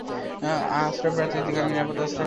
আশ্রয়প্রার্থী যেখানে নিরাপদ আশ্রয় পায়।